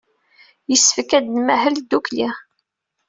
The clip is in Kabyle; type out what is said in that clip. Yessefk ad nmahel ddukkli.